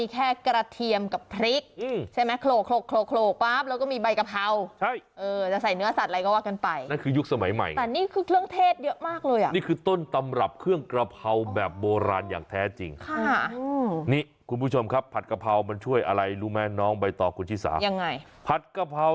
เขาก็ใส่ลงไปด้วยนะ